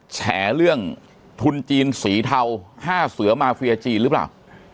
แฉเรื่องทุนจีนสีเทา๕เสือมาเฟียจีนหรือเปล่า